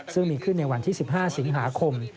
ซึ่งมีขึ้นในวันที่๑๕สิงหาคม